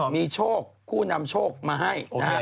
มีโชคคู่นำโชคมาให้